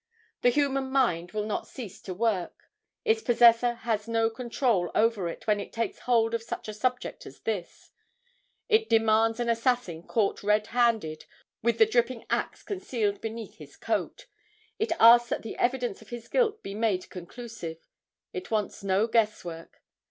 The human mind will not cease to work. Its possessor has no control over it when it takes hold of such a subject as this. It demands an assassin caught red handed with the dripping axe concealed beneath his coat. It asks that the evidence of his guilt be made conclusive. It wants no guess work.